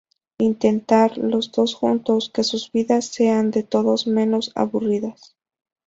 Intentar, los dos juntos, que sus vidas sean de todo menos aburridas.